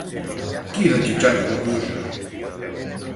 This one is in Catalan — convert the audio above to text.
Quina quitxalla que puja!